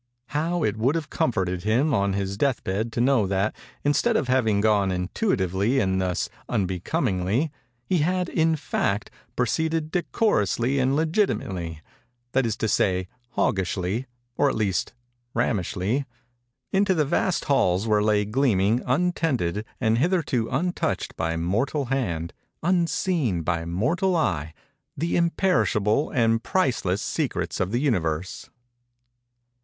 How it would have comforted him on his death bed to know that, instead of having gone intuitively and thus unbecomingly, he had, in fact, proceeded decorously and legitimately—that is to say Hog ishly, or at least Ram ishly—into the vast halls where lay gleaming, untended, and hitherto untouched by mortal hand—unseen by mortal eye—the imperishable and priceless secrets of the Universe!